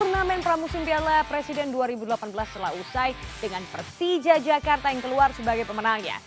turnamen pramusim piala presiden dua ribu delapan belas telah usai dengan persija jakarta yang keluar sebagai pemenangnya